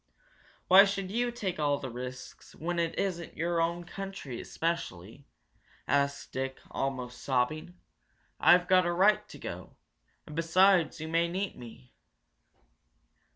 "Why should you take all the risks when it isn't your own country, especially?" asked Dick, almost sobbing. "I've got a right to go! And, besides, you may need me."